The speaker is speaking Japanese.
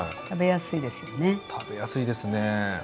食べやすいですね。